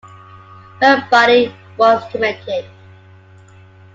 Her body was cremated.